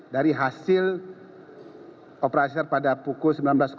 dari hasil operasi pada pukul sembilan belas